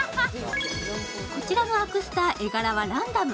こちらのアクスタ絵柄はランダム。